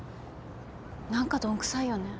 何かどんくさいよね。